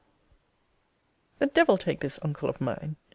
The devil take this uncle of mine!